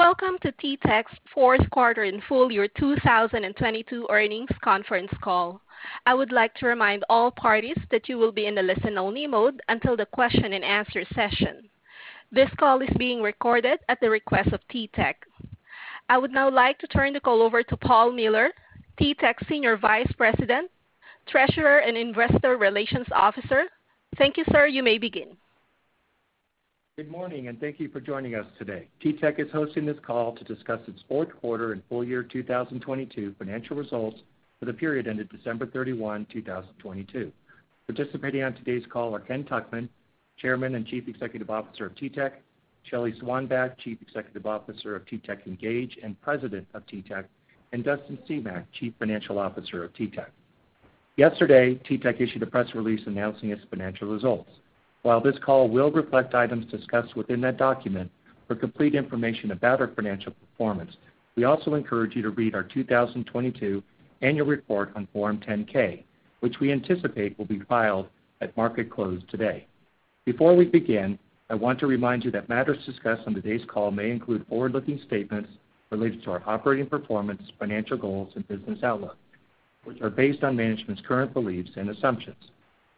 Welcome to TTEC's fourth quarter and full-year 2022 earnings conference call. I would like to remind all parties that you will be in the listen-only mode until the question-and-answer session. This call is being recorded at the request of TTEC. I would now like to turn the call over to Paul Miller, TTEC Senior Vice President, Treasurer and Investor Relations Officer. Thank you, sir. You may begin. Good morning, and thank you for joining us today. TTEC is hosting this call to discuss its fourth quarter and full-year 2022 financial results for the period ended December 31, 2022. Participating on today's call are Ken Tuchman, Chairman and Chief Executive Officer of TTEC; Shelly Swanback, Chief Executive Officer of TTEC Engage and President of TTEC; and Dustin Semach, Chief Financial Officer of TTEC. Yesterday, TTEC issued a press release announcing its financial results. While this call will reflect items discussed within that document, for complete information about our financial performance, we also encourage you to read our 2022 annual report on Form 10-K, which we anticipate will be filed at market close today. Before we begin, I want to remind you that matters discussed on today's call may include forward-looking statements related to our operating performance, financial goals, and business outlook, which are based on management's current beliefs and assumptions.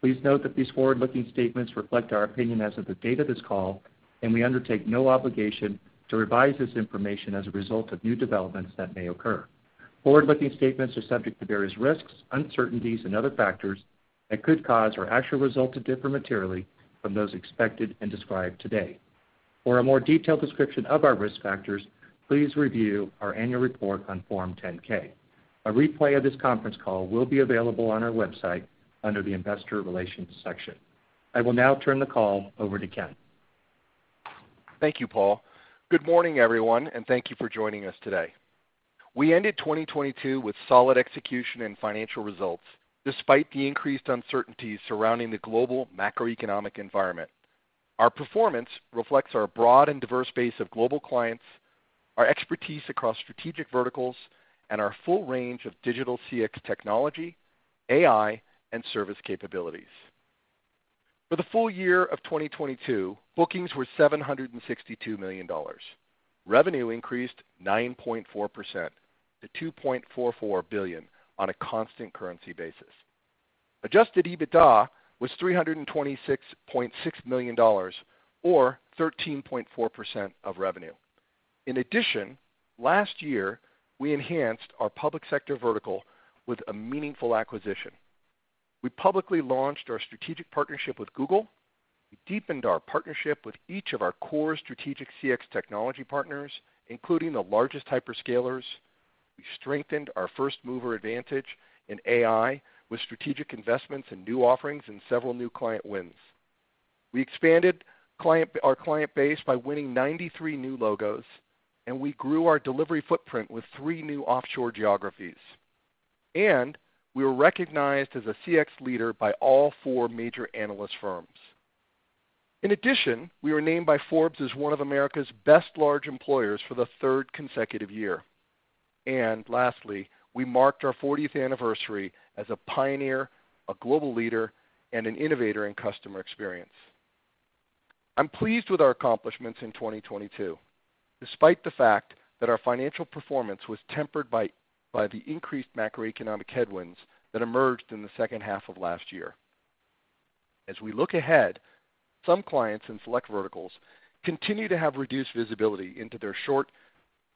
Please note that these forward-looking statements reflect our opinion as of the date of this call, and we undertake no obligation to revise this information as a result of new developments that may occur. Forward-looking statements are subject to various risks, uncertainties and other factors that could cause our actual results to differ materially from those expected and described today. For a more detailed description of our risk factors, please review our annual report on Form 10-K. A replay of this conference call will be available on our website under the Investor Relations section. I will now turn the call over to Ken. Thank you, Paul. Good morning, everyone, and thank you for joining us today. We ended 2022 with solid execution and financial results, despite the increased uncertainty surrounding the global macroeconomic environment. Our performance reflects our broad and diverse base of global clients, our expertise across strategic verticals, and our full range of digital CX technology, AI, and service capabilities. For the full-year of 2022, bookings were $762 million. Revenue increased 9.4% to $2.44 billion on a constant currency basis. Adjusted EBITDA was $326.6 million or 13.4% of revenue. In addition, last year, we enhanced our public sector vertical with a meaningful acquisition. We publicly launched our strategic partnership with Google. We deepened our partnership with each of our core strategic CX technology partners, including the largest hyperscalers. We strengthened our first-mover advantage in AI with strategic investments in new offerings and several new client wins. We expanded our client base by winning 93 new logos, and we grew our delivery footprint with three new offshore geographies. We were recognized as a CX leader by all four major analyst firms. In addition, we were named by Forbes as one of America's best large employers for the third consecutive year. Lastly, we marked our 40th anniversary as a pioneer, a global leader, and an innovator in customer experience. I'm pleased with our accomplishments in 2022, despite the fact that our financial performance was tempered by the increased macroeconomic headwinds that emerged in the second half of last year. As we look ahead, some clients in select verticals continue to have reduced visibility into their short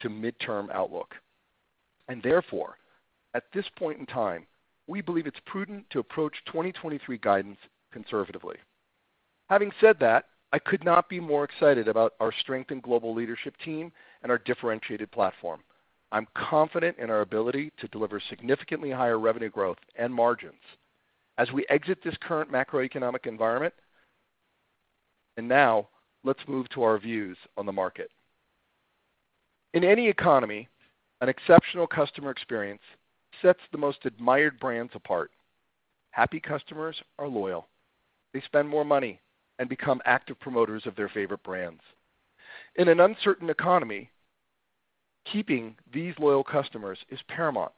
to midterm outlook. Therefore, at this point in time, we believe it's prudent to approach 2023 guidance conservatively. Having said that, I could not be more excited about our strength in global leadership team and our differentiated platform. I'm confident in our ability to deliver significantly higher revenue growth and margins as we exit this current macroeconomic environment. Now let's move to our views on the market. In any economy, an exceptional customer experience sets the most admired brands apart. Happy customers are loyal. They spend more money and become active promoters of their favorite brands. In an uncertain economy, keeping these loyal customers is paramount.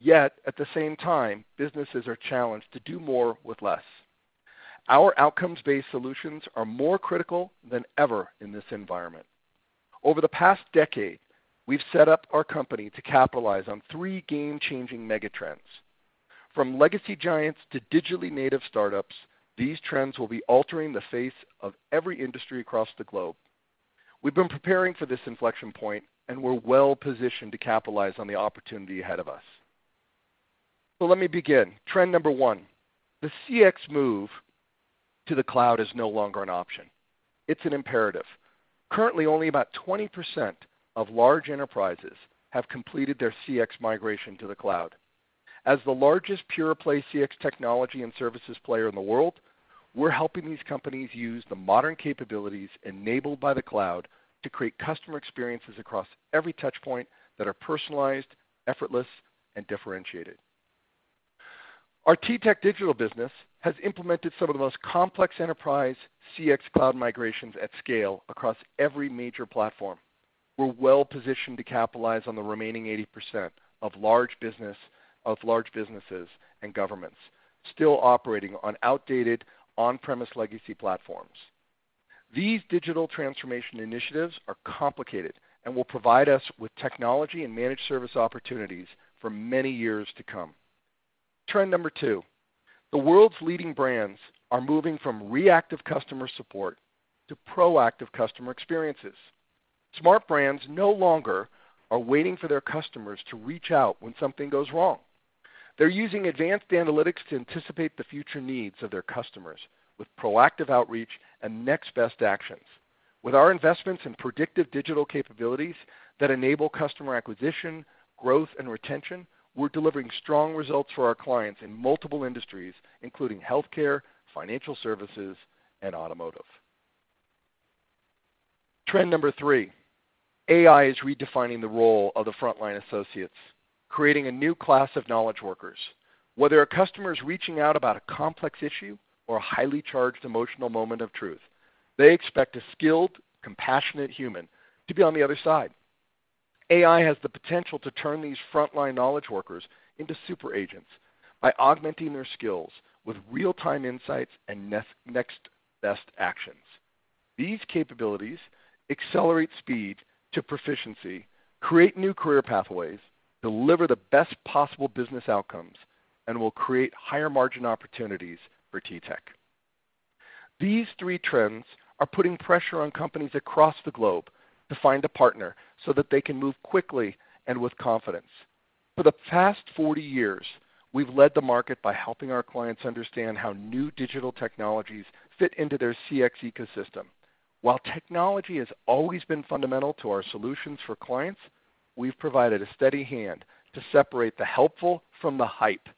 Yet at the same time, businesses are challenged to do more with less. Our outcomes-based solutions are more critical than ever in this environment. Over the past decade, we've set up our company to capitalize on three game-changing mega trends. From legacy giants to digitally native startups, these trends will be altering the face of every industry across the globe. We've been preparing for this inflection point, and we're well-positioned to capitalize on the opportunity ahead of us. Let me begin. Trend number one: the CX move to the cloud is no longer an option. It's an imperative. Currently, only about 20% of large enterprises have completed their CX migration to the cloud. As the largest pure-play CX technology and services player in the world, we're helping these companies use the modern capabilities enabled by the cloud to create customer experiences across every touch point that are personalized, effortless, and differentiated. Our TTEC Digital business has implemented some of the most complex enterprise CX cloud migrations at scale across every major platform. We're well-positioned to capitalize on the remaining 80% of large business, of large businesses and governments still operating on outdated on-premise legacy platforms. These digital transformation initiatives are complicated and will provide us with technology and managed service opportunities for many years to come. Trend number two: The world's leading brands are moving from reactive customer support to proactive customer experiences. Smart brands no longer are waiting for their customers to reach out when something goes wrong. They're using advanced analytics to anticipate the future needs of their customers with proactive outreach and next-best actions. With our investments in predictive digital capabilities that enable customer acquisition, growth, and retention, we're delivering strong results for our clients in multiple industries, including healthcare, financial services, and automotive. Trend number three: AI is redefining the role of the frontline associates, creating a new class of knowledge workers. Whether a customer is reaching out about a complex issue or a highly charged emotional moment of truth, they expect a skilled, compassionate human to be on the other side. AI has the potential to turn these frontline knowledge workers into super agents by augmenting their skills with real-time insights and next-best actions. These capabilities accelerate speed to proficiency, create new career pathways, deliver the best possible business outcomes, and will create higher margin opportunities for TTEC. These three trends are putting pressure on companies across the globe to find a partner so that they can move quickly and with confidence. For the past 40 years, we've led the market by helping our clients understand how new digital technologies fit into their CX ecosystem. While technology has always been fundamental to our solutions for clients, we've provided a steady hand to separate the helpful from the hype.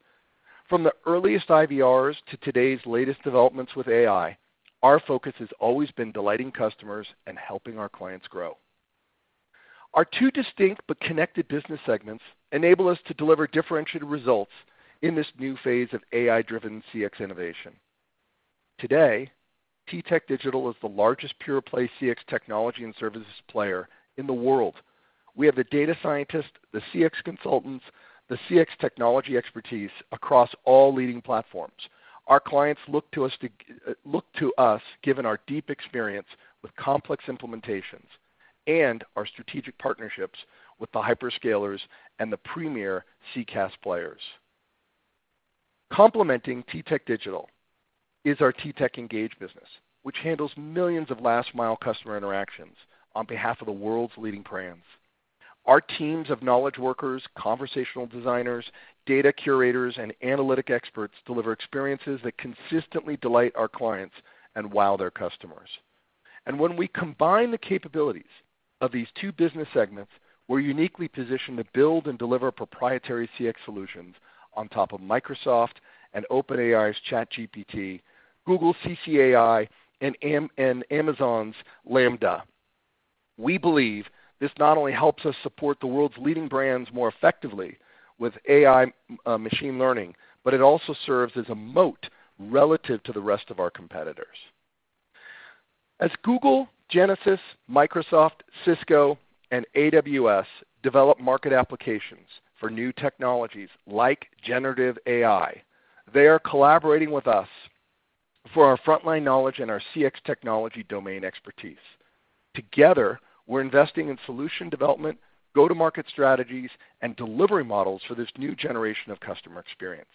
From the earliest IVRs to today's latest developments with AI, our focus has always been delighting customers and helping our clients grow. Our two distinct but connected business segments enable us to deliver differentiated results in this new phase of AI-driven CX innovation. Today, TTEC Digital is the largest pure-play CX technology and services player in the world. We have the data scientists, the CX consultants, the CX technology expertise across all leading platforms. Our clients look to us, given our deep experience with complex implementations and our strategic partnerships with the hyperscalers and the premier CCaaS players. Complementing TTEC Digital is our TTEC Engage business, which handles millions of last-mile customer interactions on behalf of the world's leading brands. Our teams of knowledge workers, conversational designers, data curators, and analytic experts deliver experiences that consistently delight our clients and wow their customers. When we combine the capabilities of these two business segments, we're uniquely positioned to build and deliver proprietary CX solutions on top of Microsoft and OpenAI's ChatGPT, Google CCAI, and Amazon's Lambda. We believe this not only helps us support the world's leading brands more effectively with AI machine learning, but it also serves as a moat relative to the rest of our competitors. As Google, Genesys, Microsoft, Cisco, and AWS develop market applications for new technologies like generative AI, they are collaborating with us for our frontline knowledge and our CX technology domain expertise. Together, we're investing in solution development, go-to-market strategies, and delivery models for this new generation of customer experience.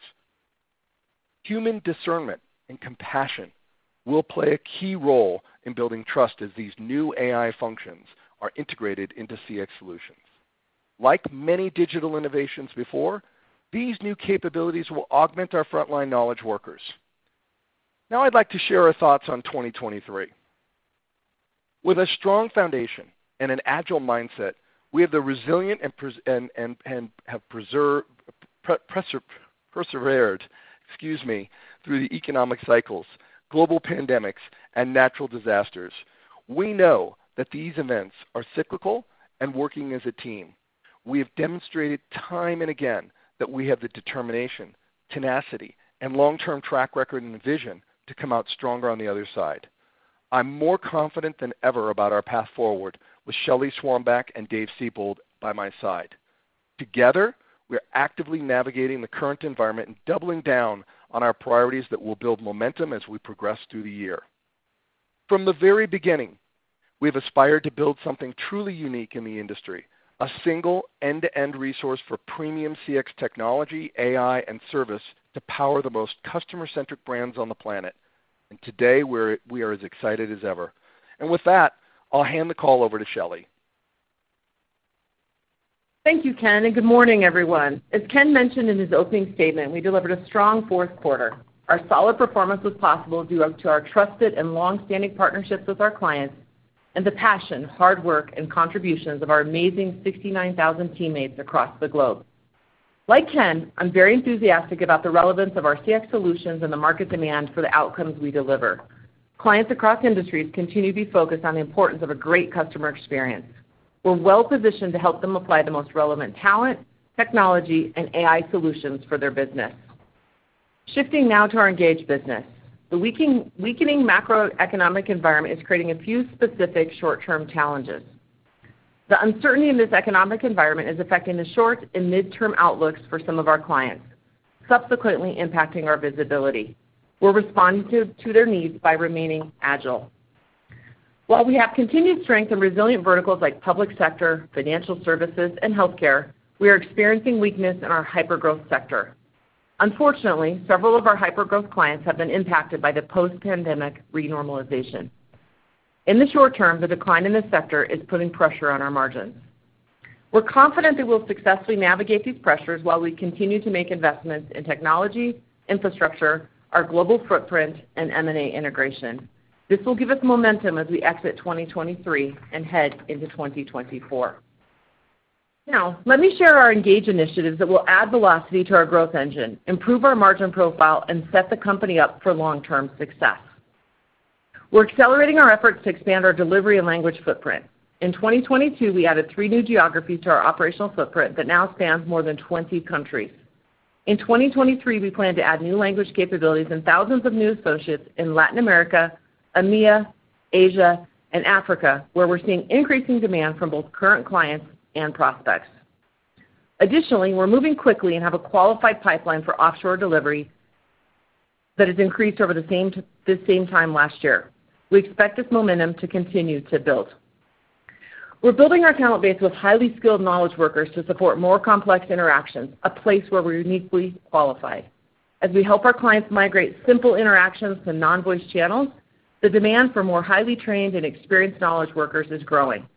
Human discernment and compassion will play a key role in building trust as these new AI functions are integrated into CX solutions. Like many digital innovations before, these new capabilities will augment our frontline knowledge workers. Now I'd like to share our thoughts on 2023. With a strong foundation and an agile mindset, we have the resilient and persevered, excuse me, through the economic cycles, global pandemics, and natural disasters. We know that these events are cyclical. Working as a team, we have demonstrated time and again that we have the determination, tenacity, and long-term track record and vision to come out stronger on the other side. I'm more confident than ever about our path forward with Shelly Swanback and Dave Seybold by my side. Together, we're actively navigating the current environment and doubling down on our priorities that will build momentum as we progress through the year. From the very beginning, we have aspired to build something truly unique in the industry, a single end-to-end resource for premium CX technology, AI, and service to power the most customer-centric brands on the planet. Today, we are as excited as ever. With that, I'll hand the call over to Shelly. Thank you, Ken. Good morning, everyone. As Ken mentioned in his opening statement, we delivered a strong fourth quarter. Our solid performance was possible due to our trusted and long-standing partnerships with our clients and the passion, hard work, and contributions of our amazing 69,000 teammates across the globe. Like Ken, I'm very enthusiastic about the relevance of our CX solutions and the market demand for the outcomes we deliver. Clients across industries continue to be focused on the importance of a great customer experience. We're well-positioned to help them apply the most relevant talent, technology, and AI solutions for their business. Shifting now to our Engage business. The weakening macroeconomic environment is creating a few specific short-term challenges. The uncertainty in this economic environment is affecting the short and mid-term outlooks for some of our clients, subsequently impacting our visibility. We're responding to their needs by remaining agile. While we have continued strength in resilient verticals like public sector, financial services, and healthcare, we are experiencing weakness in our hypergrowth sector. Unfortunately, several of our hypergrowth clients have been impacted by the post-pandemic renormalization. In the short term, the decline in this sector is putting pressure on our margins. We're confident that we'll successfully navigate these pressures while we continue to make investments in technology, infrastructure, our global footprint, and M&A integration. This will give us momentum as we exit 2023 and head into 2024. Let me share our Engage initiatives that will add velocity to our growth engine, improve our margin profile, and set the company up for long-term success. We're accelerating our efforts to expand our delivery and language footprint. In 2022, we added three new geographies to our operational footprint that now spans more than 20 countries. In 2023, we plan to add new language capabilities and thousands of new associates in Latin America, EMEA, Asia, and Africa, where we're seeing increasing demand from both current clients and prospects. Additionally, we're moving quickly and have a qualified pipeline for offshore delivery that has increased over the same time last year. We expect this momentum to continue to build. We're building our talent base with highly skilled knowledge workers to support more complex interactions, a place where we're uniquely qualified. As we help our clients migrate simple interactions to non-voice channels, the demand for more highly trained and experienced knowledge workers is growing.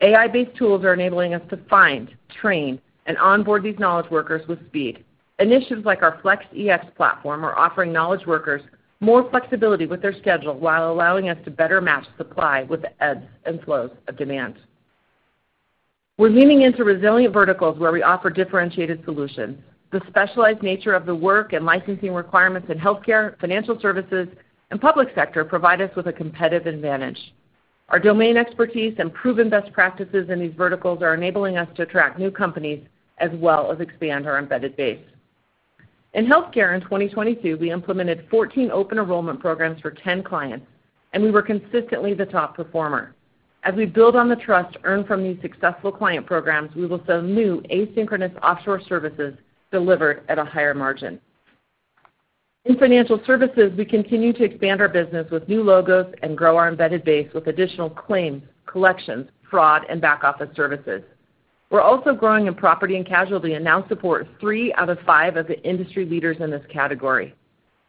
AI-based tools are enabling us to find, train, and onboard these knowledge workers with speed. Initiatives like our FlexEX platform are offering knowledge workers more flexibility with their schedule while allowing us to better match supply with the ebbs and flows of demand. We're leaning into resilient verticals where we offer differentiated solutions. The specialized nature of the work and licensing requirements in healthcare, financial services, and public sector provide us with a competitive advantage. Our domain expertise and proven best practices in these verticals are enabling us to attract new companies as well as expand our embedded base. In healthcare in 2022, we implemented 14 open enrollment programs for 10 clients, and we were consistently the top performer. As we build on the trust earned from these successful client programs, we will sell new asynchronous offshore services delivered at a higher margin. In financial services, we continue to expand our business with new logos and grow our embedded base with additional claims, collections, fraud, and back office services. We're also growing in property and casualty, and now support three out of five of the industry leaders in this category.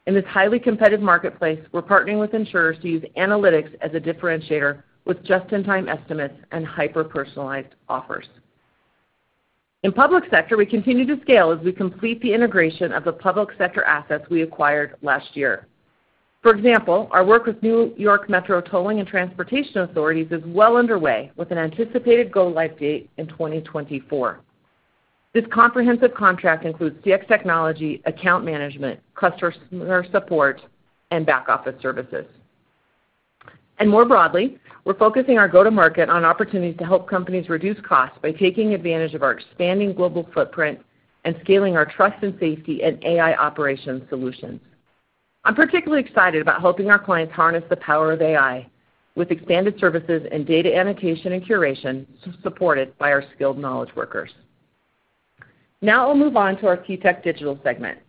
In this highly competitive marketplace, we're partnering with insurers to use analytics as a differentiator with just-in-time estimates and hyper-personalized offers. In public sector, we continue to scale as we complete the integration of the public sector assets we acquired last year. For example, our work with New York Metropolitan Transportation Authority is well underway with an anticipated go-live date in 2024. This comprehensive contract includes CX technology, account management, customer support, and back office services. More broadly, we're focusing our go-to-market on opportunities to help companies reduce costs by taking advantage of our expanding global footprint and scaling our trust and safety and AI operations solutions. I'm particularly excited about helping our clients harness the power of AI with expanded services and data annotation and curation supported by our skilled knowledge workers. I'll move on to our TTEC Digital segment.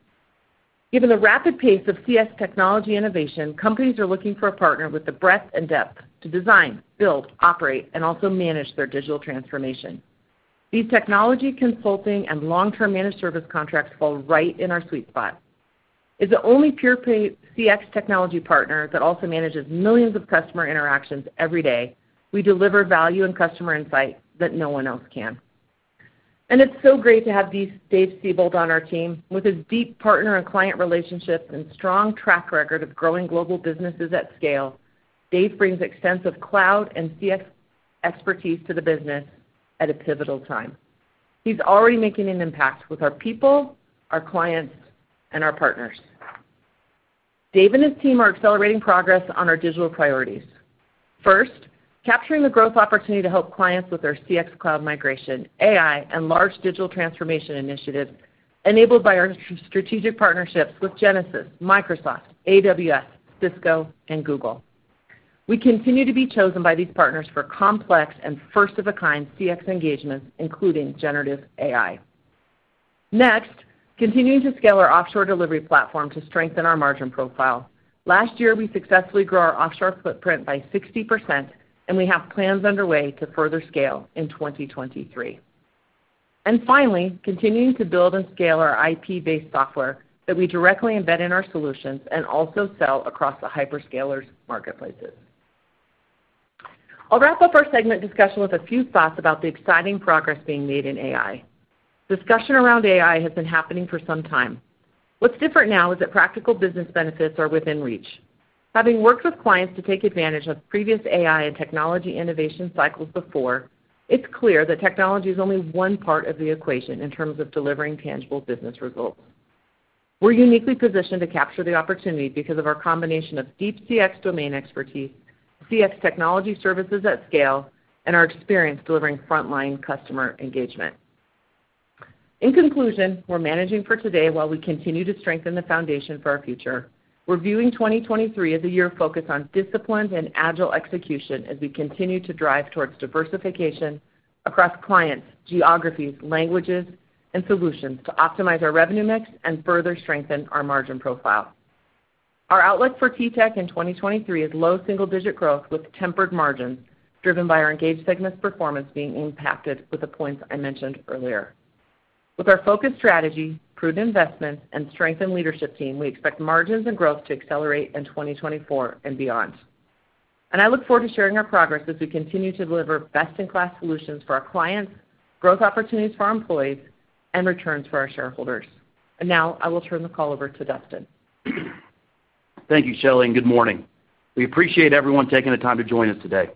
Given the rapid pace of CX technology innovation, companies are looking for a partner with the breadth and depth to design, build, operate, and also manage their digital transformation. These technology consulting and long-term managed service contracts fall right in our sweet spot. As the only pure play CX technology partner that also manages $millions of customer interactions every day, we deliver value and customer insight that no one else can. It's so great to have these Dave Seybold on our team. With his deep partner and client relationships and strong track record of growing global businesses at scale, Dave brings extensive cloud and CX expertise to the business at a pivotal time. He's already making an impact with our people, our clients, and our partners. Dave and his team are accelerating progress on our digital priorities. First, capturing the growth opportunity to help clients with their CX cloud migration, AI, and large digital transformation initiatives enabled by our strategic partnerships with Genesys, Microsoft, AWS, Cisco, and Google. We continue to be chosen by these partners for complex and first-of-a-kind CX engagements, including generative AI. Next, continuing to scale our offshore delivery platform to strengthen our margin profile. Last year, we successfully grew our offshore footprint by 60%, and we have plans underway to further scale in 2023. Finally, continuing to build and scale our IP-based software that we directly embed in our solutions and also sell across the hyperscalers' marketplaces. I'll wrap up our segment discussion with a few thoughts about the exciting progress being made in AI. Discussion around AI has been happening for some time. What's different now is that practical business benefits are within reach. Having worked with clients to take advantage of previous AI and technology innovation cycles before, it's clear that technology is only one part of the equation in terms of delivering tangible business results. We're uniquely positioned to capture the opportunity because of our combination of deep CX domain expertise, CX technology services at scale, and our experience delivering frontline customer engagement. Conclusion, we're managing for today while we continue to strengthen the foundation for our future. We're viewing 2023 as a year focused on disciplined and agile execution as we continue to drive towards diversification across clients, geographies, languages, and solutions to optimize our revenue mix and further strengthen our margin profile. Our outlook for TTEC in 2023 is low single-digit growth with tempered margins, driven by our Engage segment's performance being impacted with the points I mentioned earlier. With our focused strategy, prudent investments, and strengthened leadership team, we expect margins and growth to accelerate in 2024 and beyond. I look forward to sharing our progress as we continue to deliver best-in-class solutions for our clients, growth opportunities for our employees, and returns for our shareholders. Now, I will turn the call over to Dustin. Thank you, Shelly. Good morning. We appreciate everyone taking the time to join us today.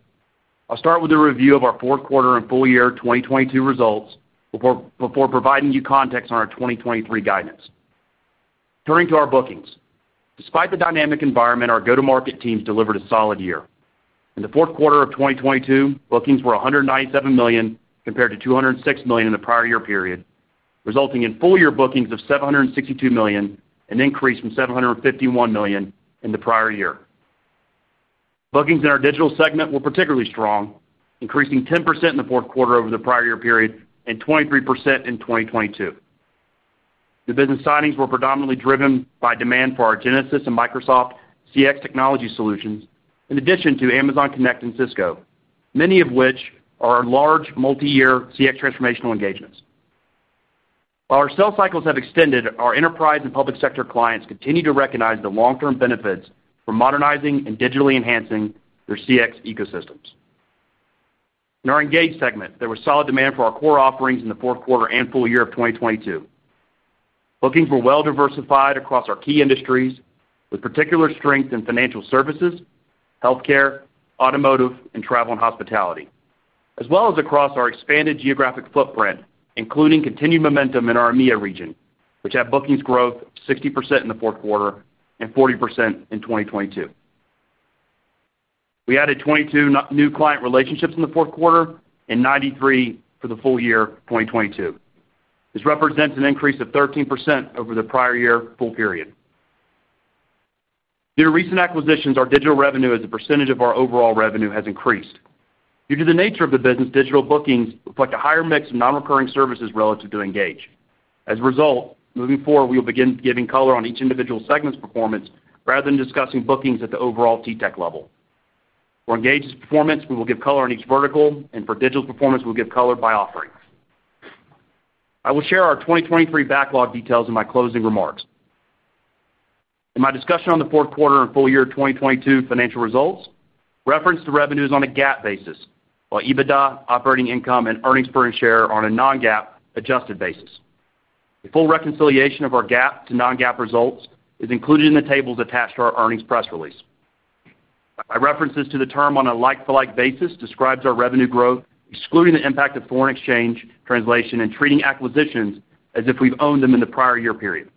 I'll start with a review of our fourth quarter and full-year 2022 results before providing you context on our 2023 guidance. Turning to our bookings. Despite the dynamic environment, our go-to-market teams delivered a solid year. In the fourth quarter of 2022, bookings were $197 million, compared to $206 million in the prior year period, resulting in full-year bookings of $762 million, an increase from $751 million in the prior year. Bookings in our Digital segment were particularly strong, increasing 10% in the fourth quarter over the prior year period and 23% in 2022. New business signings were predominantly driven by demand for our Genesys and Microsoft CX technology solutions, in addition to Amazon Connect and Cisco, many of which are large multi-year CX transformational engagements. While our sales cycles have extended, our enterprise and public sector clients continue to recognize the long-term benefits from modernizing and digitally enhancing their CX ecosystems. In our Engage segment, there was solid demand for our core offerings in the fourth quarter and full-year of 2022. Bookings were well-diversified across our key industries, with particular strength in financial services, healthcare, automotive, and travel and hospitality, as well as across our expanded geographic footprint, including continued momentum in our EMEA region, which had bookings growth 60% in the fourth quarter and 40% in 2022. We added 22 new client relationships in the fourth quarter and 93 for the full-year 2022. This represents an increase of 13% over the prior year full period. Due to recent acquisitions, our Digital revenue as a percentage of our overall revenue has increased. Due to the nature of the business, Digital bookings reflect a higher mix of non-recurring services relative to Engage. As a result, moving forward, we will begin giving color on each individual segment's performance rather than discussing bookings at the overall TTEC level. For Engage's performance, we will give color on each vertical, and for Digital's performance, we'll give color by offerings. I will share our 2023 backlog details in my closing remarks. In my discussion on the fourth quarter and full-year 2022 financial results, reference to revenue is on a GAAP basis, while EBITDA, operating income, and earnings per share are on a non-GAAP adjusted basis. A full reconciliation of our GAAP to non-GAAP results is included in the tables attached to our earnings press release. My references to the term on a like-for-like basis describes our revenue growth, excluding the impact of foreign exchange translation and treating acquisitions as if we've owned them in the prior year period.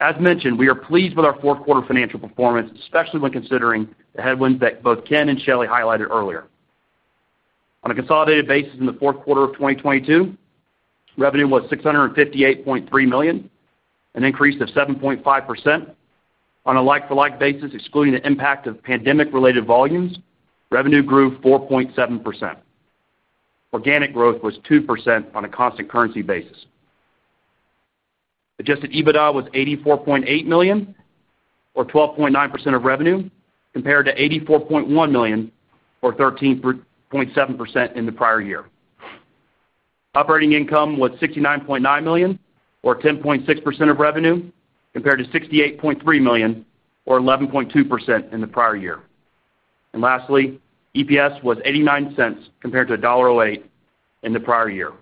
As mentioned, we are pleased with our fourth quarter financial performance, especially when considering the headwinds that both Ken and Shelly highlighted earlier. On a consolidated basis in the fourth quarter of 2022, revenue was $658.3 million, an increase of 7.5%. On a like-for-like basis, excluding the impact of pandemic-related volumes, revenue grew 4.7%. Organic growth was 2% on a constant currency basis. Adjusted EBITDA was $84.8 million or 12.9% of revenue, compared to $84.1 million or 13.7% in the prior year. Operating income was $69.9 million or 10.6% of revenue, compared to $68.3 million or 11.2% in the prior year. Lastly, EPS was $0.89 compared to $1.08 in the prior year.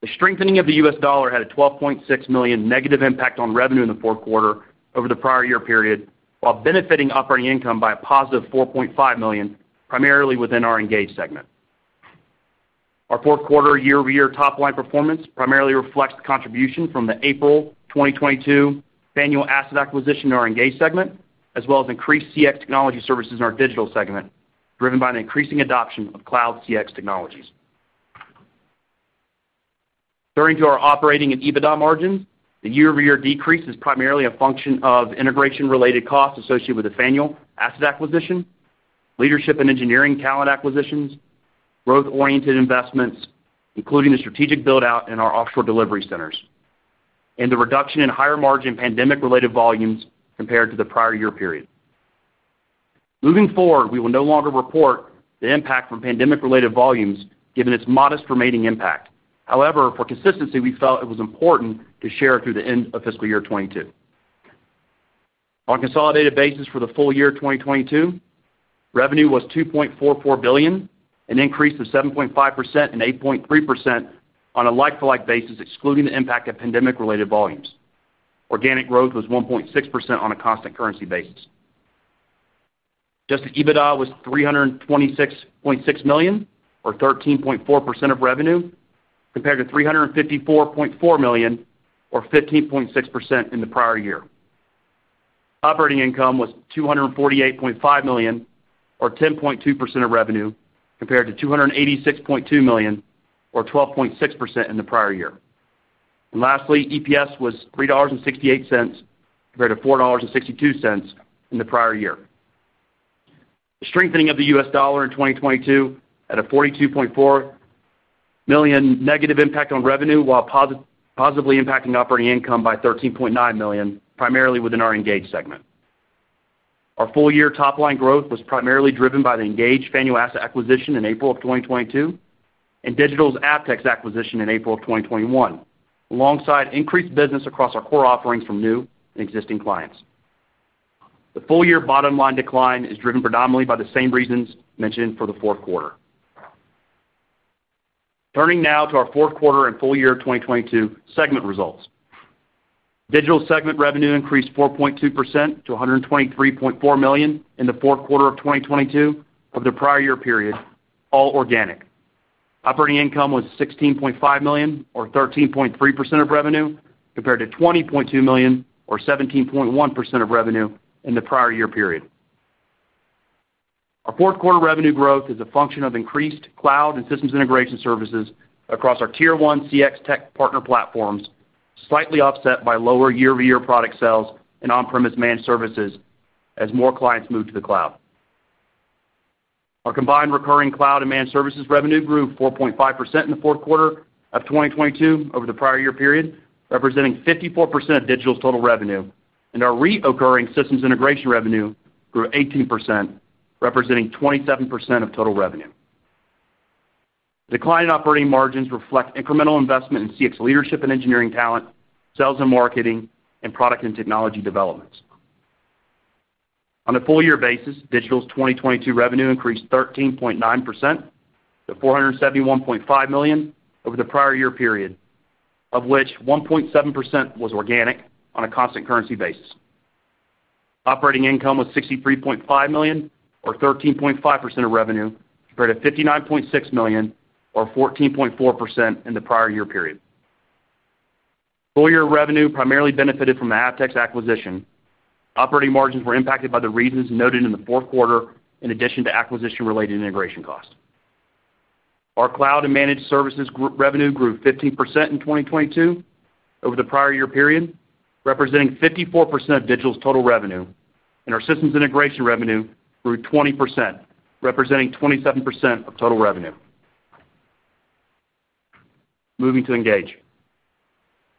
The strengthening of the U.S. dollar had a $12.6 million negative impact on revenue in the fourth quarter over the prior year period, while benefiting operating income by a positive $4.5 million, primarily within our Engage segment. Our fourth quarter year-over-year top line performance primarily reflects the contribution from the April 2022 Faneuil asset acquisition in our Engage segment, as well as increased CX technology services in our Digital segment, driven by an increasing adoption of cloud CX technologies. Turning to our operating and EBITDA margins. The year-over-year decrease is primarily a function of integration-related costs associated with the Faneuil asset acquisition, leadership and engineering talent acquisitions, growth-oriented investments, including the strategic build-out in our offshore delivery centers, and the reduction in higher margin pandemic-related volumes compared to the prior year period. Moving forward, we will no longer report the impact from pandemic-related volumes given its modest remaining impact. However, for consistency, we felt it was important to share through the end of fiscal year 2022. On a consolidated basis for the full-year 2022, revenue was $2.44 billion, an increase of 7.5% and 8.3% on a like-for-like basis, excluding the impact of pandemic-related volumes. Organic growth was 1.6% on a constant currency basis. Adjusted EBITDA was $326.6 million, or 13.4% of revenue, compared to $354.4 million or 15.6% in the prior year. Operating income was $248.5 million or 10.2% of revenue compared to $286.2 million or 12.6% in the prior year. Lastly, EPS was $3.68 compared to $4.62 in the prior year. The strengthening of the U.S. dollar in 2022 had a $42.4 million negative impact on revenue, while positively impacting operating income by $13.9 million, primarily within our Engage segment. Our full-year top line growth was primarily driven by the Engage's Faneuil asset acquisition in April of 2022, and Digital's Avtex acquisition in April of 2021, alongside increased business across our core offerings from new and existing clients. The full-year bottom line decline is driven predominantly by the same reasons mentioned for the fourth quarter. Turning now to our fourth quarter and full-year of 2022 segment results. Digital segment revenue increased 4.2% to $123.4 million in the fourth quarter of 2022 over the prior year period, all organic. Operating income was $16.5 million or 13.3% of revenue compared to $20.2 million or 17.1% of revenue in the prior year period. Our fourth quarter revenue growth is a function of increased cloud and systems integration services across our tier one CX tech partner platforms, slightly offset by lower year-over-year product sales and on-premise managed services as more clients move to the cloud. Our combined recurring cloud and managed services revenue grew 4.5% in the fourth quarter of 2022 over the prior year period, representing 54% of Digital's total revenue, and our reoccurring systems integration revenue grew 18%, representing 27% of total revenue. Decline in operating margins reflect incremental investment in CX leadership and engineering talent, sales and marketing, and product and technology developments. On a full-year basis, Digital's 2022 revenue increased 13.9% to $471.5 million over the prior year period, of which 1.7% was organic on a constant currency basis. Operating income was $63.5 million or 13.5% of revenue compared to $59.6 million or 14.4% in the prior year period. full-year revenue primarily benefited from the Avtex acquisition. Operating margins were impacted by the reasons noted in the fourth quarter in addition to acquisition-related integration costs. Our cloud and managed services revenue grew 15% in 2022 over the prior year period, representing 54% of Digital's total revenue, and our systems integration revenue grew 20%, representing 27% of total revenue. Moving to Engage.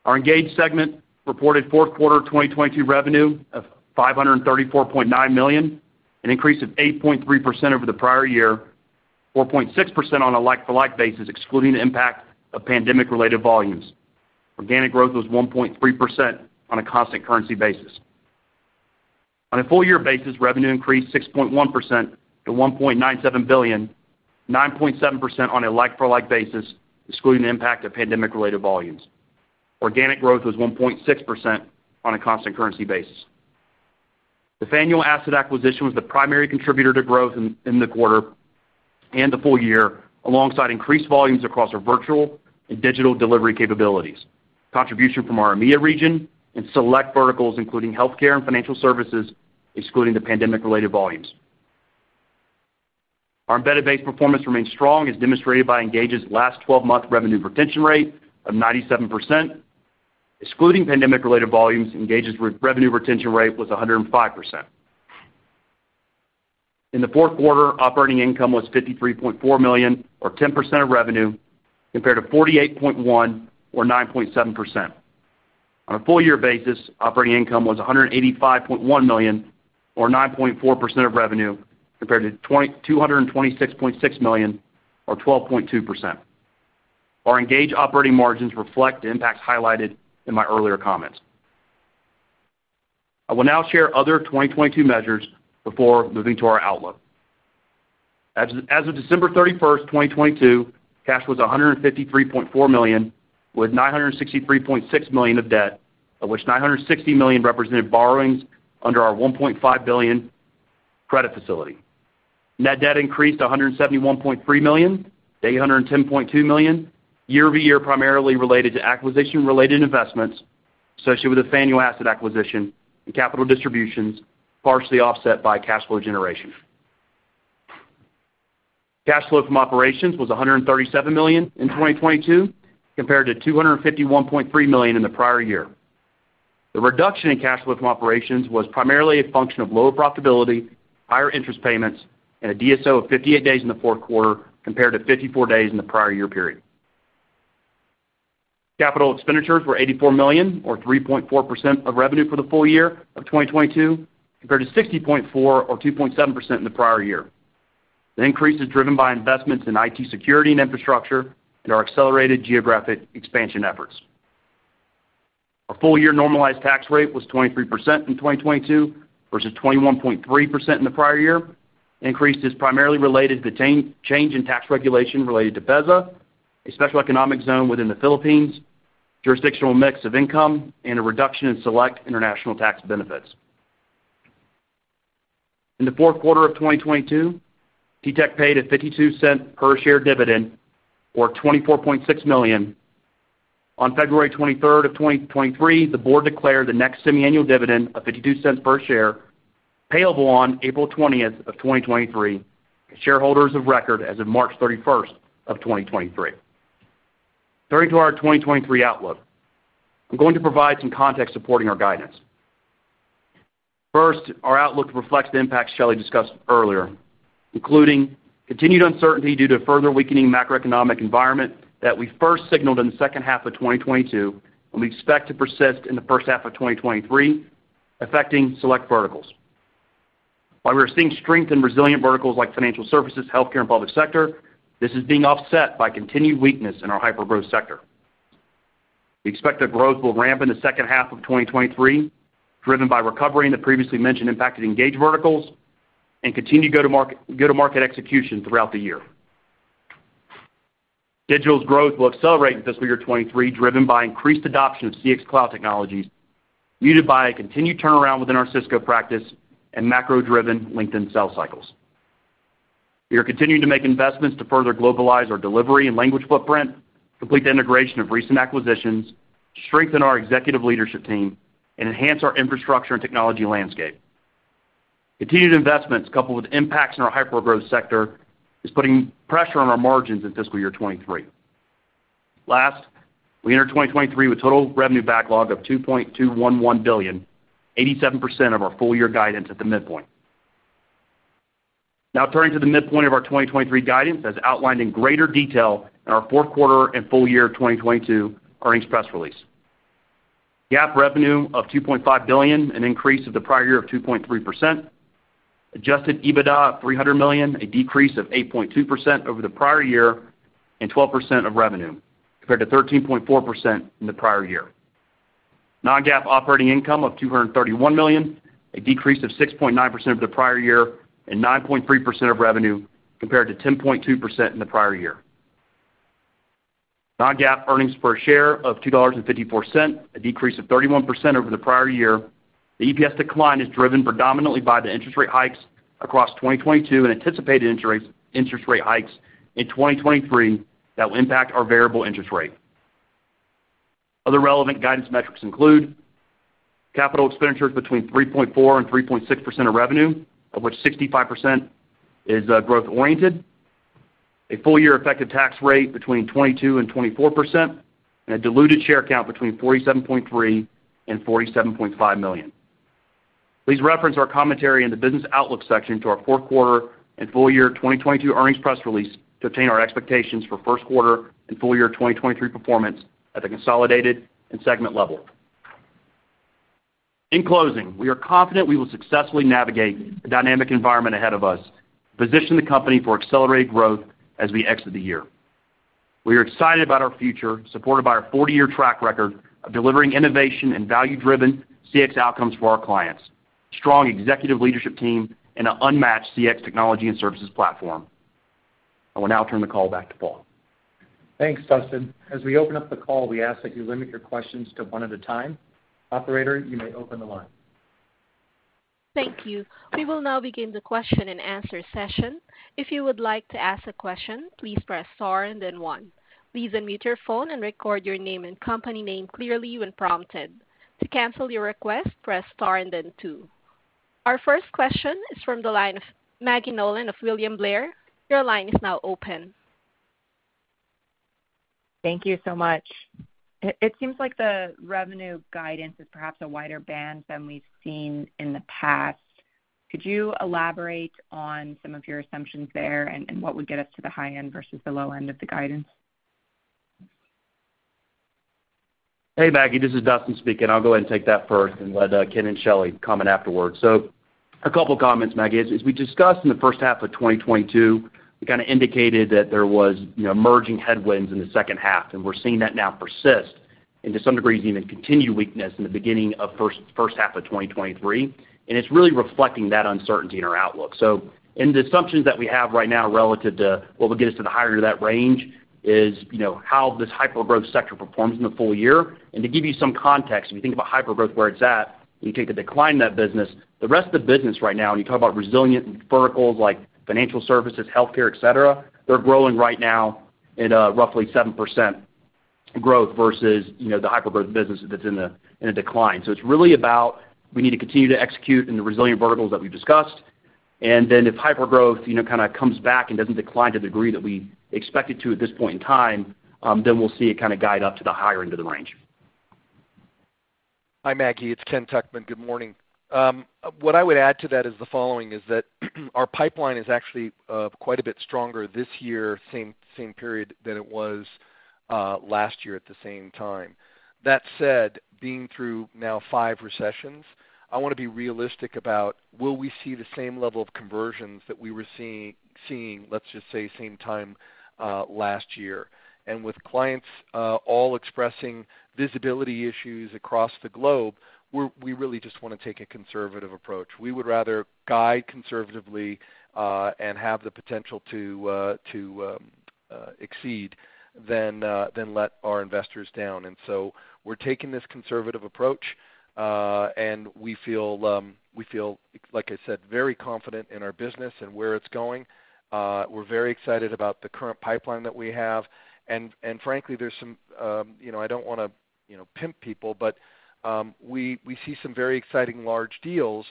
Our Engage segment reported fourth quarter 2022 revenue of $534.9 million, an increase of 8.3% over the prior year, 4.6% on a like-for-like basis, excluding the impact of pandemic-related volumes. Organic growth was 1.3% on a constant currency basis. On a full-year basis, revenue increased 6.1% to $1.97 billion, 9.7% on a like-for-like basis, excluding the impact of pandemic-related volumes. Organic growth was 1.6% on a constant currency basis. The Faneuil asset acquisition was the primary contributor to growth in the quarter and the full-year, alongside increased volumes across our virtual and digital delivery capabilities, contribution from our EMEA region, and select verticals, including healthcare and financial services, excluding the pandemic-related volumes. Our embedded base performance remains strong as demonstrated by Engage's last 12-month revenue retention rate of 97%. Excluding pandemic-related volumes, Engage's revenue retention rate was 105%. In the fourth quarter, operating income was $53.4 million or 10% of revenue compared to $48.1 million or 9.7%. On a full-year basis, operating income was $185.1 million or 9.4% of revenue compared to $226.6 million or 12.2%. Our Engage operating margins reflect the impacts highlighted in my earlier comments. I will now share other 2022 measures before moving to our outlook. As of December 31st, 2022, cash was $153.4 million with $963.6 million of debt, of which $960 million represented borrowings under our $1.5 billion credit facility. Net debt increased from $171.3 million to $810.2 million, year-over-year primarily related to acquisition-related investments associated with the Faneuil asset acquisition and capital distributions partially offset by cash flow generation. Cash flow from operations was $137 million in 2022 compared to $251.3 million in the prior year. The reduction in cash flow from operations was primarily a function of lower profitability, higher interest payments, and a DSO of 58 days in the fourth quarter compared to 54 days in the prior year period. Capital expenditures were $84 million or 3.4% of revenue for the full-year of 2022, compared to $60.4 million or 2.7% in the prior year. The increase is driven by investments in IT security and infrastructure and our accelerated geographic expansion efforts. Our full-year normalized tax rate was 23% in 2022 versus 21.3% in the prior year. The increase is primarily related to change in tax regulation related to PEZA, a special economic zone within the Philippines, jurisdictional mix of income, and a reduction in select international tax benefits. In the fourth quarter of 2022, TTEC paid a $0.52 per share dividend, or $24.6 million. On February 23rd of 2023, the board declared the next semiannual dividend of $0.52 per share, payable on April 20th of 2023, shareholders of record as of March 31st of 2023. Turning to our 2023 outlook. I'm going to provide some context supporting our guidance. Our outlook reflects the impacts Shelly discussed earlier, including continued uncertainty due to further weakening macroeconomic environment that we first signaled in the second half of 2022, and we expect to persist in the first half of 2023, affecting select verticals. While we're seeing strength in resilient verticals like financial services, healthcare, and public sector, this is being offset by continued weakness in our hypergrowth sector. We expect that growth will ramp in the second half of 2023, driven by recovery in the previously mentioned impacted Engage verticals and continue go to market execution throughout the year. Digital's growth will accelerate in fiscal year 2023, driven by increased adoption of CX Cloud technologies, muted by a continued turnaround within our Cisco practice and macro-driven LinkedIn sales cycles. We are continuing to make investments to further globalize our delivery and language footprint, complete the integration of recent acquisitions, strengthen our executive leadership team, and enhance our infrastructure and technology landscape. Continued investments, coupled with impacts in our hypergrowth sector, is putting pressure on our margins in fiscal year 2023. We entered 2023 with total revenue backlog of $2.211 billion, 87% of our full-year guidance at the midpoint. Turning to the midpoint of our 2023 guidance, as outlined in greater detail in our fourth quarter and full-year of 2022 earnings press release. GAAP revenue of $2.5 billion, an increase of the prior year of 2.3%. Adjusted EBITDA of $300 million, a decrease of 8.2% over the prior year and 12% of revenue, compared to 13.4% in the prior year. Non-GAAP operating income of $231 million, a decrease of 6.9% over the prior year and 9.3% of revenue compared to 10.2% in the prior year. Non-GAAP earnings per share of $2.54, a decrease of 31% over the prior year. The EPS decline is driven predominantly by the interest rate hikes across 2022 and anticipated interest rate hikes in 2023 that will impact our variable interest rate. Other relevant guidance metrics include capital expenditures between 3.4% and 3.6% of revenue, of which 65% is growth oriented. A full-year effective tax rate between 22% and 24%, and a diluted share count between 47.3 million and 47.5 million. Please reference our commentary in the business outlook section to our fourth quarter and full-year 2022 earnings press release to obtain our expectations for first quarter and full-year 2023 performance at the consolidated and segment level. In closing, we are confident we will successfully navigate the dynamic environment ahead of us, position the company for accelerated growth as we exit the year. We are excited about our future, supported by our 40-year track record of delivering innovation and value-driven CX outcomes for our clients, strong executive leadership team, and an unmatched CX technology and services platform. I will now turn the call back to Paul. Thanks, Dustin. As we open up the call, we ask that you limit your questions to one at a time. Operator, you may open the line. Thank you. We will now begin the question-and-answer session. If you would like to ask a question, please press star and then one. Please unmute your phone and record your name and company name clearly when prompted. To cancel your request, press star and then two. Our first question is from the line of Maggie Nolan of William Blair. Your line is now open. Thank you so much. It seems like the revenue guidance is perhaps a wider band than we've seen in the past. Could you elaborate on some of your assumptions there and what would get us to the high end versus the low end of the guidance? Hey, Maggie. This is Dustin speaking. I'll go ahead and take that first and let Ken and Shelly comment afterwards. A couple comments, Maggie, is, as we discussed in the first half of 2022, we kinda indicated that there was, you know, emerging headwinds in the second half, and we're seeing that now persist, and to some degree even continued weakness in the beginning of first half of 2023, and it's really reflecting that uncertainty in our outlook. In the assumptions that we have right now relative to what will get us to the higher end of that range is, you know, how this hypergrowth sector performs in the full-year. To give you some context, if you think about hypergrowth where it's at, when you take the decline in that business, the rest of the business right now, when you talk about resilient verticals like financial services, healthcare, et cetera, they're growing right now at roughly 7% growth versus, you know, the hypergrowth business that's in a decline. It's really about we need to continue to execute in the resilient verticals that we've discussed, and then if hypergrowth, you know, kinda comes back and doesn't decline to the degree that we expect it to at this point in time, then we'll see it kinda guide up to the higher end of the range. Hi, Maggie. It's Ken Tuchman. Good morning. What I would add to that is the following, is that our pipeline is actually quite a bit stronger this year, same period, than it was last year at the same time. That said, being through now five recessions, I wanna be realistic about will we see the same level of conversions that we were seeing, let's just say, same time last year. With clients, all expressing visibility issues across the globe, we really just wanna take a conservative approach. We would rather guide conservatively and have the potential to exceed than let our investors down. So we're taking this conservative approach, and we feel, like I said, very confident in our business and where it's going. We're very excited about the current pipeline that we have. Frankly, there's some, you know, I don't wanna, you know, pimp people, but we see some very exciting large deals.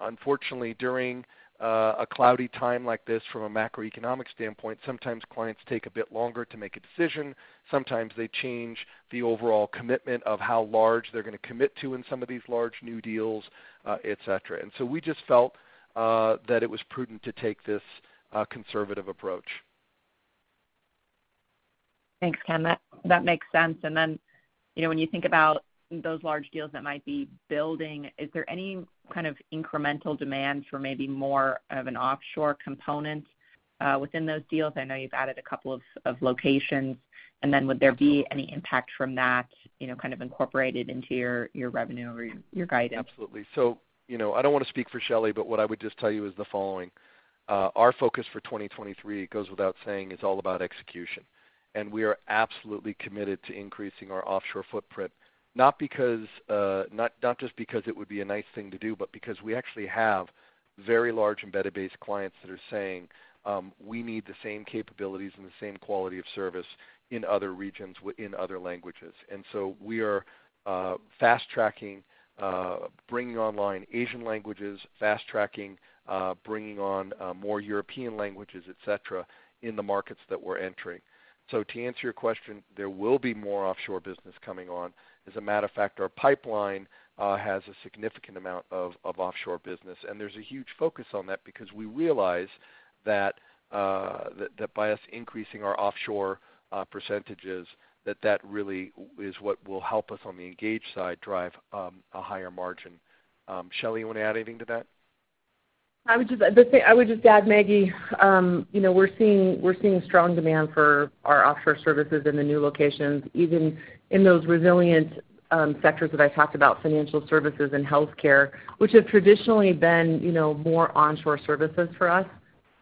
Unfortunately, during a cloudy time like this from a macroeconomic standpoint, sometimes clients take a bit longer to make a decision, sometimes they change the overall commitment of how large they're gonna commit to in some of these large new deals, et cetera. We just felt that it was prudent to take this conservative approach. Thanks, Ken. That makes sense. You know, when you think about those large deals that might be building, is there any kind of incremental demand for maybe more of an offshore component within those deals? I know you've added a couple of locations. Would there be any impact from that, you know, kind of incorporated into your revenue or your guidance? Absolutely. You know, I don't wanna speak for Shelly, but what I would just tell you is the following. Our focus for 2023, it goes without saying, it's all about execution. We are absolutely committed to increasing our offshore footprint, not because not just because it would be a nice thing to do, but because we actually have very large embedded base clients that are saying, "We need the same capabilities and the same quality of service in other regions in other languages." We are fast-tracking bringing online Asian languages, fast-tracking bringing on more European languages, et cetera, in the markets that we're entering. To answer your question, there will be more offshore business coming on. As a matter of fact, our pipeline has a significant amount of offshore business, and there's a huge focus on that because we realize that by us increasing our offshore percentages, that really is what will help us on the Engage side drive a higher margin. Shelly, you wanna add anything to that? I would just add, Maggie, you know, we're seeing strong demand for our offshore services in the new locations, even in those resilient sectors that I talked about, financial services and healthcare, which have traditionally been, you know, more onshore services for us.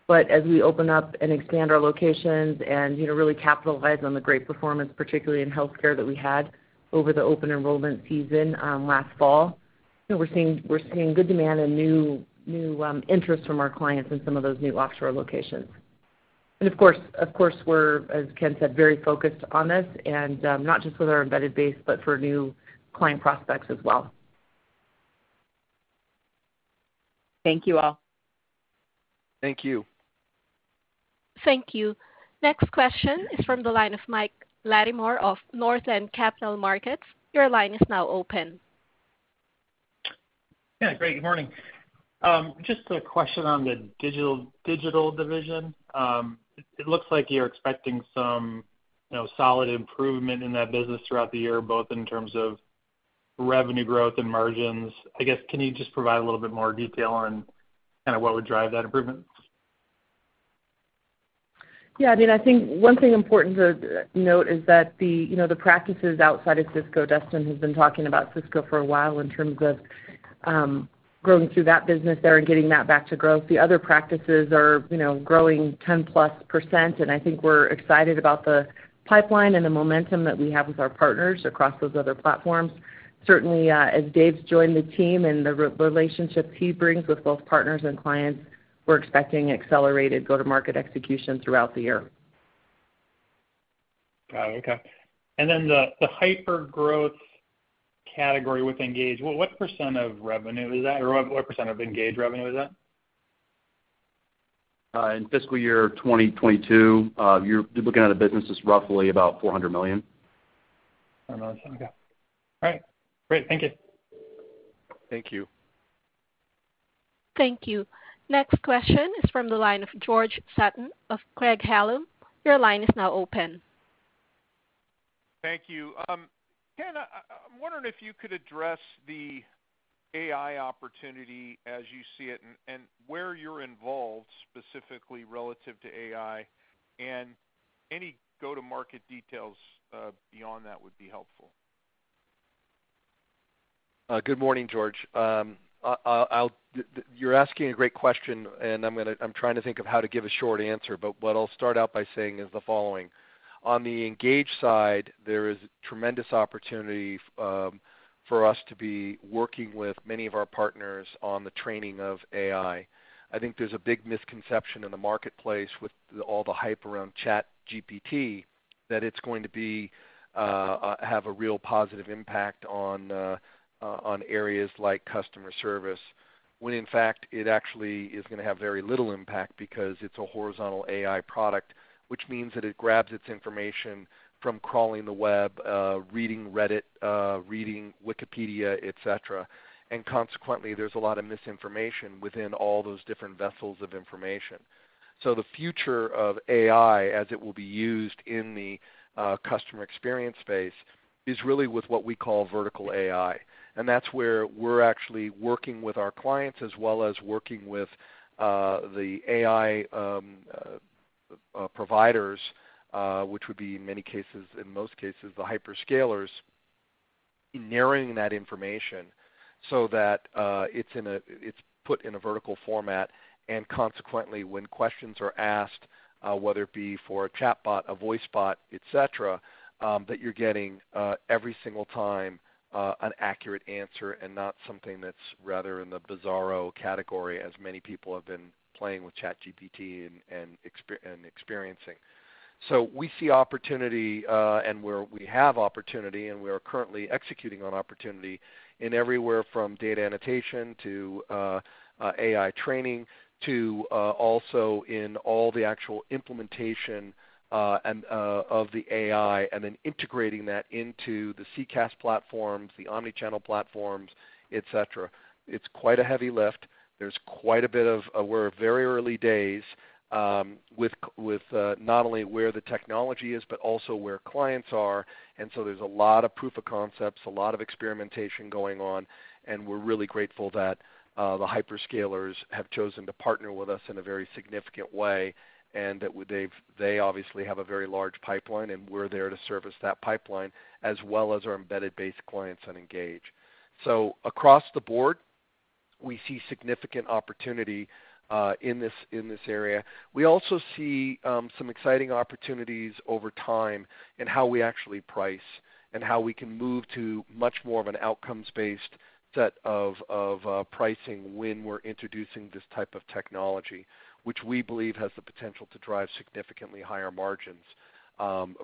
But as we open up and expand our locations and, you know, really capitalize on the great performance, particularly in healthcare that we had over the open enrollment season last fall, you know, we're seeing good demand and new interest from our clients in some of those new offshore locations. Of course, we're, as Ken said, very focused on this and not just with our embedded base, but for new client prospects as well. Thank you all. Thank you. Thank you. Next question is from the line of Mike Latimore of Northland Capital Markets. Your line is now open. Yeah, great, good morning. Just a question on the Digital division. It looks like you're expecting some, you know, solid improvement in that business throughout the year, both in terms of revenue growth and margins. I guess, can you just provide a little bit more detail on kinda what would drive that improvement? I mean, I think one thing important to note is that the, you know, the practices outside of Cisco, Dustin has been talking about Cisco for a while in terms of growing through that business there and getting that back to growth. The other practices are, you know, growing 10%+, and I think we're excited about the pipeline and the momentum that we have with our partners across those other platforms. Certainly, as Dave's joined the team and the re-relationship he brings with both partners and clients, we're expecting accelerated go-to-market execution throughout the year. Got it. Okay. The, the hypergrowth category with Engage, what percent of revenue is that or what percent of Engage revenue is that? In fiscal year 2022, you're looking at a business that's roughly about $400 million. $400 million. Okay. All right. Great. Thank you. Thank you. Thank you. Next question is from the line of George Sutton of Craig-Hallum. Your line is now open. Thank you. Ken, I'm wondering if you could address the AI opportunity as you see it and where you're involved specifically relative to AI, and any go-to-market details, beyond that would be helpful. Good morning, George. You're asking a great question, and I'm trying to think of how to give a short answer. What I'll start out by saying is the following. On the Engage side, there is tremendous opportunity for us to be working with many of our partners on the training of AI. I think there's a big misconception in the marketplace with all the hype around ChatGPT, that it's going to be, have a real positive impact on areas like customer service, when in fact, it actually is gonna have very little impact because it's a horizontal AI product, which means that it grabs its information from crawling the web, reading Reddit, reading Wikipedia, et cetera. Consequently, there's a lot of misinformation within all those different vessels of information. The future of AI, as it will be used in the customer experience space, is really with what we call vertical AI. That's where we're actually working with our clients as well as working with the AI providers, which would be in many cases, in most cases, the hyperscalers, narrowing that information so that it's put in a vertical format, and consequently, when questions are asked, whether it be for a chatbot, a voice bot, et cetera, that you're getting every single time an accurate answer and not something that's rather in the bizarro category as many people have been playing with ChatGPT and experiencing. We see opportunity, and where we have opportunity, and we are currently executing on opportunity in everywhere from data annotation to AI training to also in all the actual implementation of the AI and then integrating that into the CCaaS platforms, the omnichannel platforms, et cetera. It's quite a heavy lift. We're very early days with not only where the technology is, but also where clients are. There's a lot of proof of concepts, a lot of experimentation going on, and we're really grateful that the hyperscalers have chosen to partner with us in a very significant way, and that they obviously have a very large pipeline, and we're there to service that pipeline, as well as our embedded base clients on Engage. Across the board, we see significant opportunity in this area. We also see some exciting opportunities over time in how we actually price and how we can move to much more of an outcomes-based set of pricing when we're introducing this type of technology, which we believe has the potential to drive significantly higher margins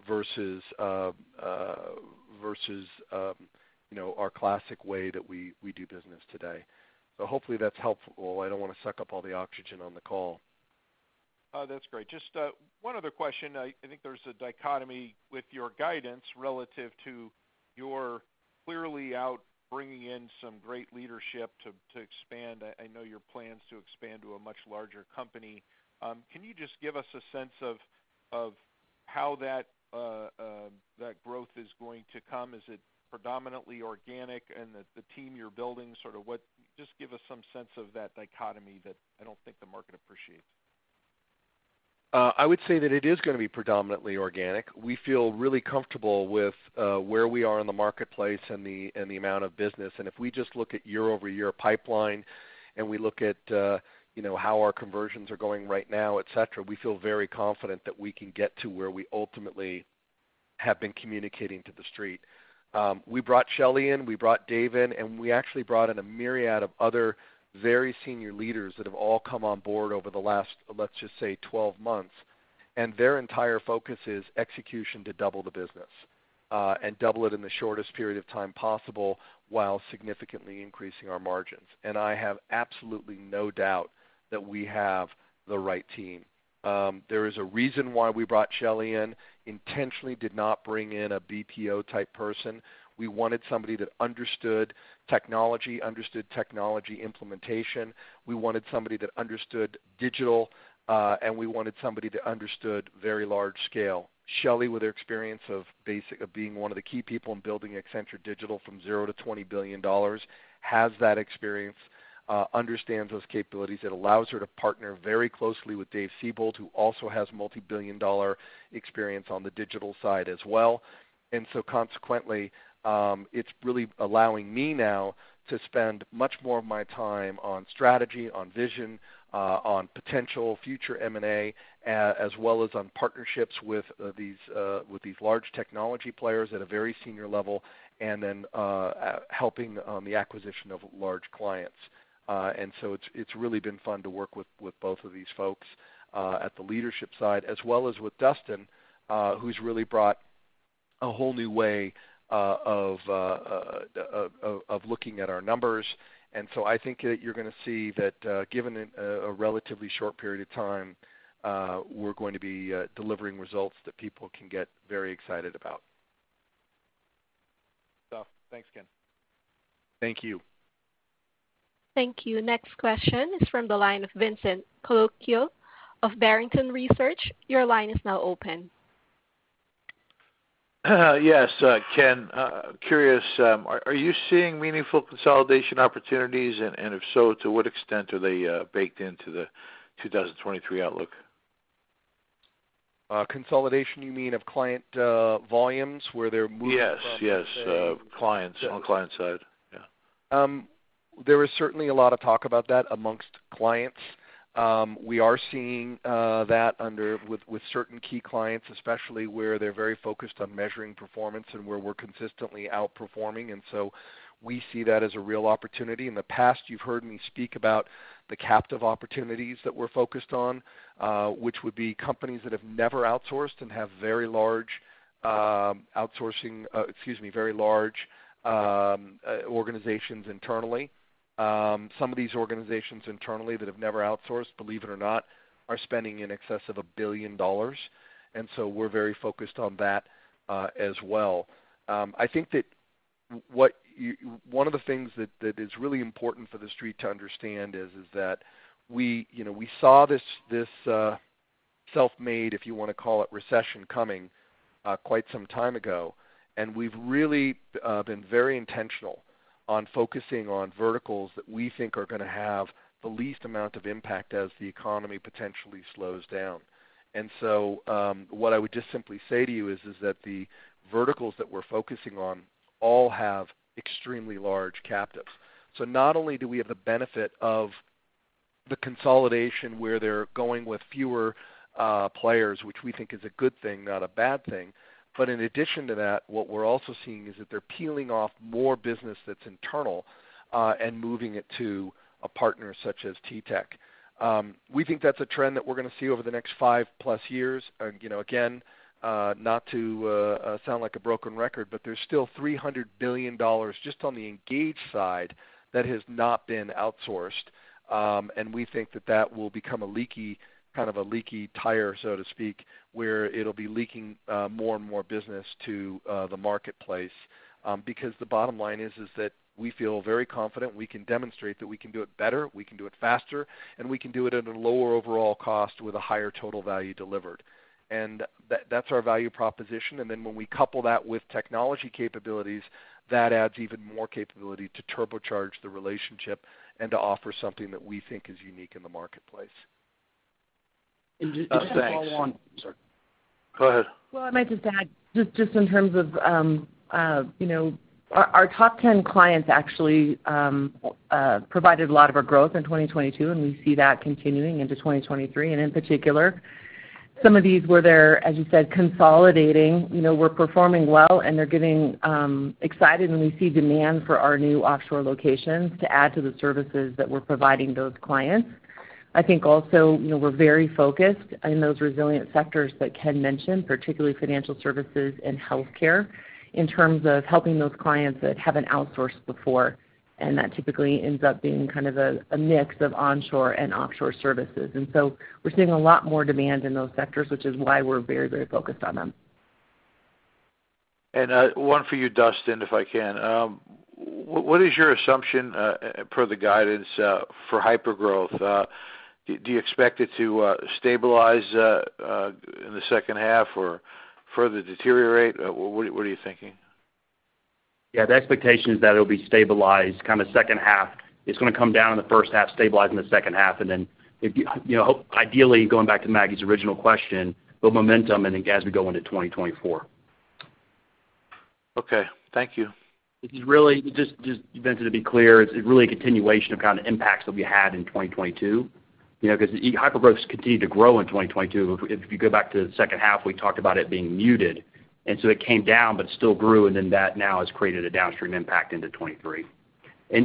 versus, you know, our classic way that we do business today. Hopefully that's helpful. I don't wanna suck up all the oxygen on the call. That's great. Just one other question. I think there's a dichotomy with your guidance relative to you're clearly out bringing in some great leadership to expand. I know your plans to expand to a much larger company. Can you just give us a sense of how that growth is going to come? Is it predominantly organic and the team you're building? Just give us some sense of that dichotomy that I don't think the market appreciates. I would say that it is gonna be predominantly organic. We feel really comfortable with where we are in the marketplace and the, and the amount of business. If we just look at year-over-year pipeline, and we look at, you know, how our conversions are going right now, et cetera, we feel very confident that we can get to where we ultimately have been communicating to The Street. We brought Shelly in, we brought Dave in, we actually brought in a myriad of other very senior leaders that have all come on board over the last, let's just say, 12 months. Their entire focus is execution to double the business and double it in the shortest period of time possible, while significantly increasing our margins. I have absolutely no doubt that we have the right team. There is a reason why we brought Shelly in. Intentionally did not bring in a BPO-type person. We wanted somebody that understood technology, understood technology implementation. We wanted somebody that understood digital, and we wanted somebody that understood very large scale. Shelly, with her experience of being one of the key people in building Accenture Digital from zero to $20 billion, has that experience, understands those capabilities. It allows her to partner very closely with Dave Seybold, who also has multi-billion dollar experience on the digital side as well. Consequently, it's really allowing me now to spend much more of my time on strategy, on vision, on potential future M&A, as well as on partnerships with these large technology players at a very senior level and then helping the acquisition of large clients. It's really been fun to work with both of these folks, at the leadership side, as well as with Dustin, who's really brought a whole new way of looking at our numbers. I think that you're gonna see that, given in a relatively short period of time, we're going to be delivering results that people can get very excited about. Stuff. Thanks, Ken. Thank you. Thank you. Next question is from the line of Vincent Colicchio of Barrington Research. Your line is now open. Yes, Ken, curious, are you seeing meaningful consolidation opportunities? If so, to what extent are they baked into the 2023 outlook? Consolidation you mean of client volumes where they're moving... Yes. Yes. Yes. On the client side. Yeah. There is certainly a lot of talk about that amongst clients. We are seeing with certain key clients, especially where they're very focused on measuring performance and where we're consistently outperforming. We see that as a real opportunity. In the past, you've heard me speak about the captive opportunities that we're focused on, which would be companies that have never outsourced and have very large outsourcing, excuse me, very large organizations internally. Some of these organizations internally that have never outsourced, believe it or not, are spending in excess of $1 billion, we're very focused on that as well. I think that one of the things that is really important for the Street to understand is that we, you know, we saw this self-made, if you wanna call it, recession coming quite some time ago, and we've really been very intentional on focusing on verticals that we think are gonna have the least amount of impact as the economy potentially slows down. What I would just simply say to you is that the verticals that we're focusing on all have extremely large captives. Not only do we have the benefit of the consolidation where they're going with fewer players, which we think is a good thing, not a bad thing. In addition to that, what we're also seeing is that they're peeling off more business that's internal, and moving it to a partner such as TTEC. We think that's a trend that we're gonna see over the next five-plus years. You know, again, not to sound like a broken record, but there's still $300 billion just on the Engage side that has not been outsourced. We think that that will become a kind of a leaky tire, so to speak, where it'll be leaking more and more business to the marketplace. The bottom line is that we feel very confident. We can demonstrate that we can do it better, we can do it faster, and we can do it at a lower overall cost with a higher total value delivered. That's our value proposition. Then when we couple that with technology capabilities, that adds even more capability to turbocharge the relationship and to offer something that we think is unique in the marketplace. Just to follow on. Thanks. Sorry. Go ahead. Well, I might just add, just in terms of, you know, our top 10 clients actually provided a lot of our growth in 2022, and we see that continuing into 2023. In particular, some of these where they're, as you said, consolidating. You know, we're performing well, and they're getting excited, and we see demand for our new offshore locations to add to the services that we're providing those clients. I think also, you know, we're very focused in those resilient sectors that Ken mentioned, particularly financial services and healthcare, in terms of helping those clients that haven't outsourced before. That typically ends up being kind of a mix of onshore and offshore services. We're seeing a lot more demand in those sectors, which is why we're very focused on them. One for you, Dustin, if I can. What is your assumption per the guidance for hypergrowth? Do you expect it to stabilize in the second half or further deteriorate? What are you thinking? Yeah. The expectation is that it'll be stabilized kinda second half. It's gonna come down in the first half, stabilize in the second half, and then if, you know, ideally, going back to Maggie's original question, build momentum and then as we go into 2024. Okay. Thank you. It's really just, Vincent, to be clear, it's really a continuation of kind of impacts that we had in 2022. You know, because hypergrowth continued to grow in 2022. If you go back to the second half, we talked about it being muted. It came down, but it still grew, that now has created a downstream impact into 2023.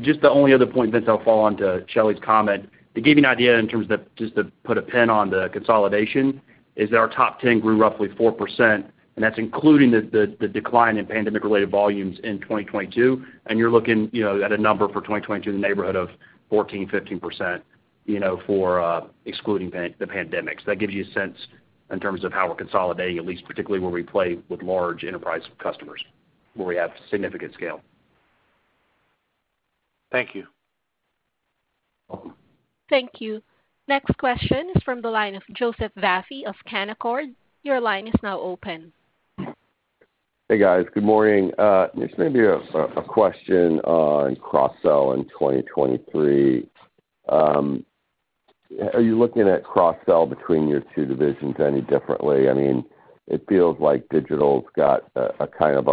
Just the only other point, Vincent, I'll follow on to Shelly's comment. To give you an idea in terms of just to put a pin on the consolidation is that our top 10 grew roughly 4%, and that's including the decline in pandemic-related volumes in 2022. You're looking, you know, at a number for 2022 in the neighborhood of 14%, 15%, you know, for, excluding the pandemic. That gives you a sense in terms of how we're consolidating, at least particularly where we play with large enterprise customers, where we have significant scale. Thank you. Thank you. Next question is from the line of Joseph Vafi of Canaccord. Your line is now open. Hey, guys. Good morning. This may be a question on cross-sell in 2023. Are you looking at cross-sell between your two divisions any differently? I mean, it feels like Digital's got a kind of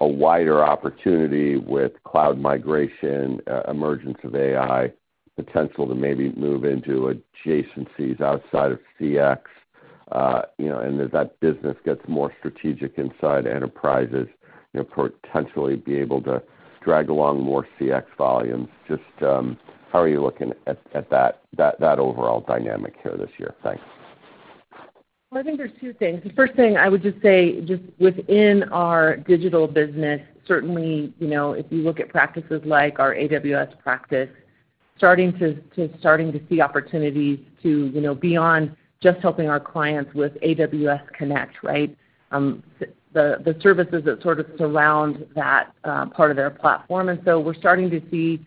a wider opportunity with cloud migration, emergence of AI, potential to maybe move into adjacencies outside of CX, you know, and as that business gets more strategic inside enterprises, you know, potentially be able to drag along more CX volumes. Just how are you looking at that overall dynamic here this year? Thanks. Well, I think there's two things. The first thing I would just say, just within our Digital business, certainly, you know, if you look at practices like our AWS practice, starting to see opportunities to, you know, beyond just helping our clients with AWS Connect, right? The services that sort of surround that part of their platform. We're starting to see,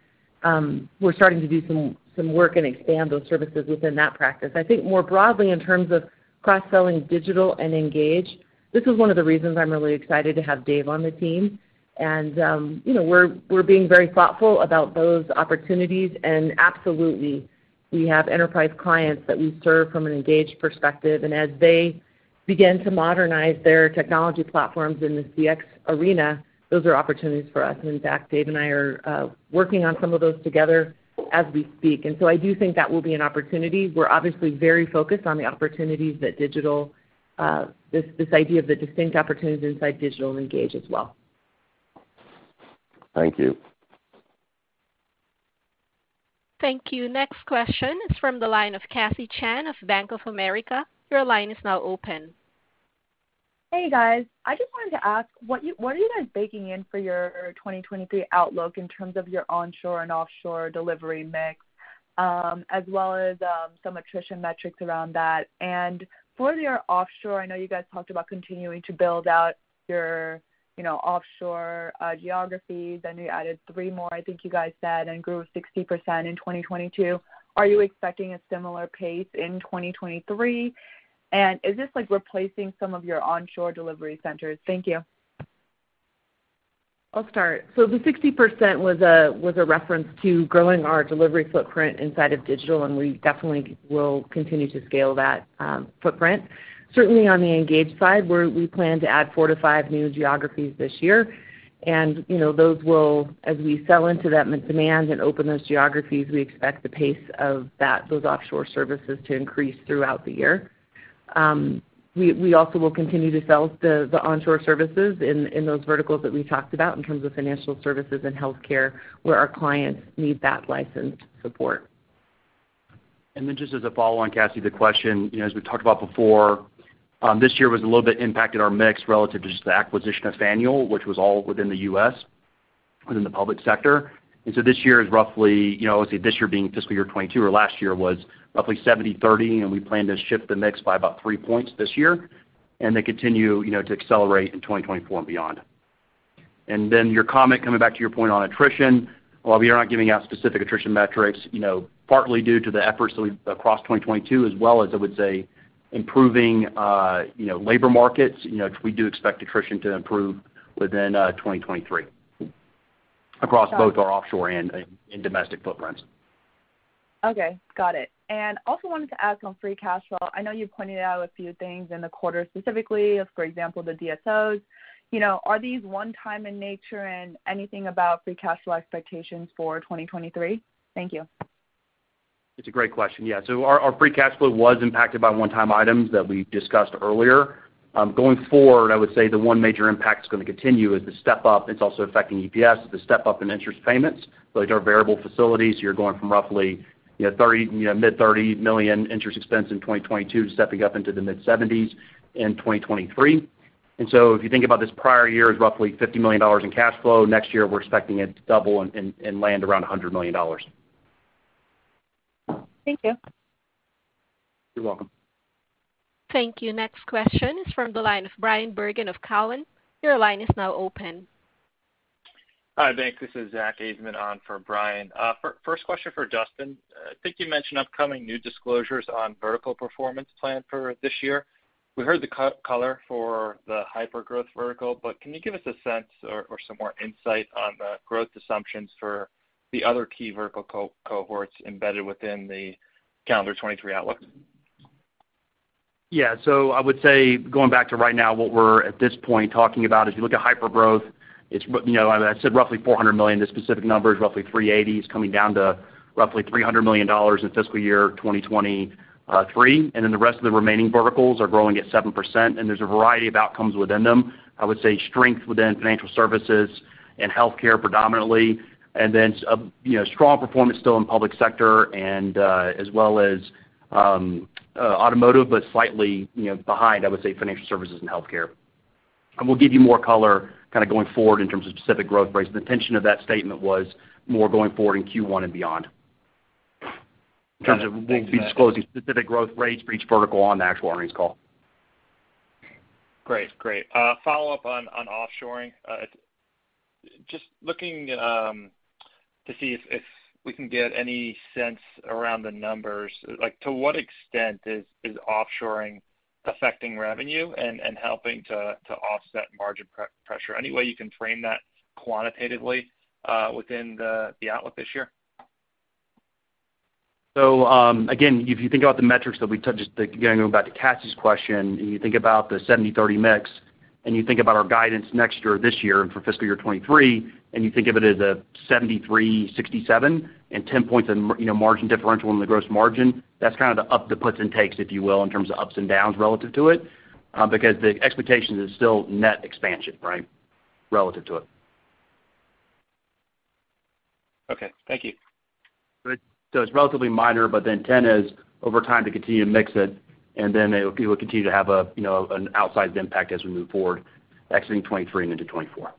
we're starting to do some work and expand those services within that practice. I think more broadly in terms of cross-selling digital and engaged, this is one of the reasons I'm really excited to have Dave on the team. You know, we're being very thoughtful about those opportunities. Absolutely, we have enterprise clients that we serve from an engaged perspective. As they begin to modernize their technology platforms in the CX arena, those are opportunities for us. In fact, Dave and I are working on some of those together as we speak. I do think that will be an opportunity. We're obviously very focused on the opportunities that Digital, this idea of the distinct opportunities inside Digital Engage as well. Thank you. Thank you. Next question is from the line of Cassie Chan of Bank of America. Your line is now open. Hey, guys. I just wanted to ask what are you guys baking in for your 2023 outlook in terms of your onshore and offshore delivery mix, as well as, some attrition metrics around that? For your offshore, I know you guys talked about continuing to build out your, you know, offshore geographies, and you added three more, I think you guys said, and grew 60% in 2022. Are you expecting a similar pace in 2023? Is this like replacing some of your onshore delivery centers? Thank you. I'll start. The 60% was a reference to growing our delivery footprint inside of Digital, we definitely will continue to scale that footprint. Certainly, on the Engage side, we plan to add four to five new geographies this year. You know, those will, as we sell into that demand and open those geographies, we expect the pace of those offshore services to increase throughout the year. We also will continue to sell the onshore services in those verticals that we talked about in terms of financial services and healthcare, where our clients need that licensed support. Just as a follow on, Cassie, the question, you know, as we talked about before, this year was a little bit impacted our mix relative to just the acquisition of Faneuil, which was all within the U.S., within the public sector. This year is roughly, you know, this year being fiscal year 2022, or last year was roughly 70/30, and we plan to shift the mix by about three points this year. They continue, you know, to accelerate in 2024 and beyond. Your comment, coming back to your point on attrition, while we are not giving out specific attrition metrics, you know, partly due to the efforts that we've, across 2022 as well as, I would say, improving, you know, labor markets, you know, we do expect attrition to improve within 2023 across both our offshore and domestic footprints. Okay, got it. Also wanted to ask on free cash flow. I know you've pointed out a few things in the quarter specifically, for example, the DSOs. You know, are these one-time in nature and anything about free cash flow expectations for 2023? Thank you. It's a great question. Our free cash flow was impacted by one-time items that we discussed earlier. Going forward, I would say the one major impact that's gonna continue is the step-up. It's also affecting EPS, the step-up in interest payments. Those are variable facilities. You're going from roughly, you know, mid $30 million interest expense in 2022, stepping up into the mid $70 million in 2023. If you think about this prior year is roughly $50 million in cash flow. Next year, we're expecting it to double and land around $100 million. Thank you. You're welcome. Thank you. Next question is from the line of Brian Bergen of Cowen. Your line is now open. Hi, thanks. This is Zack Ajzenman on for Brian. First question for Dustin. I think you mentioned upcoming new disclosures on vertical performance plan for this year. We heard the cohort for the hypergrowth vertical, but can you give us a sense or some more insight on the growth assumptions for the other key vertical cohorts embedded within the calendar 2023 outlook? I would say, going back to right now, what we're at this point talking about, as you look at hypergrowth, it's, you know, I said roughly $400 million. The specific number is roughly $380 million. It's coming down to roughly $300 million in fiscal year 2023. The rest of the remaining verticals are growing at 7%, and there's a variety of outcomes within them. I would say strength within financial services and healthcare predominantly, then, you know, strong performance still in public sector as well as automotive, but slightly, you know, behind, I would say, financial services and healthcare. We'll give you more color kind of going forward in terms of specific growth rates. The intention of that statement was more going forward in Q1 and beyond. In terms of we'll be disclosing specific growth rates for each vertical on the actual earnings call. Great. Great. Follow-up on offshoring. Just looking to see if we can get any sense around the numbers, like to what extent is offshoring affecting revenue and helping to offset margin pressure? Any way you can frame that quantitatively within the outlook this year? Again, if you think about the metrics that we touched, again, going back to Cassie's question, and you think about the 70/30 mix, and you think about our guidance next year, this year, and for fiscal year 2023, and you think of it as a 73/67 and 10 points in you know, margin differential in the gross margin, that's kind of the up, the puts and takes, if you will, in terms of ups and downs relative to it, because the expectation is still net expansion, right? Relative to it. Okay, thank you. It's relatively minor, but the intent is over time to continue to mix it, and then it will continue to have a, you know, an outsized impact as we move forward, exiting 2023 into 2024.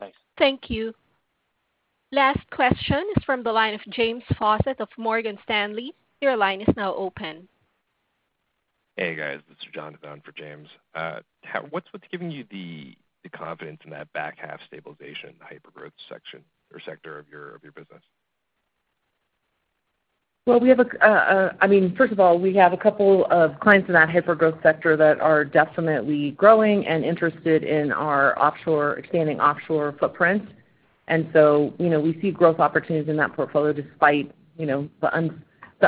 Thanks. Thank you. Last question is from the line of James Faucette of Morgan Stanley. Your line is now open. Hey, guys. This is Jonathan for James. What's giving you the confidence in that back half stabilization in the hypergrowth section or sector of your business? Well, I mean, first of all, we have a couple of clients in that hypergrowth sector that are definitely growing and interested in our offshore, expanding offshore footprint. You know, we see growth opportunities in that portfolio despite, you know, the